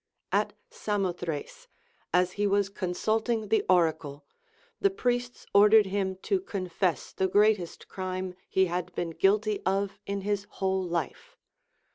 At Samothrace, as he was consulting the oracle, the priests ordered him to confess the greatest crime he had been guilty of in his whole life.